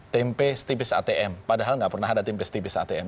tempe setipis atm padahal nggak pernah ada tempe setipis atm